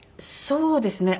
そうですね。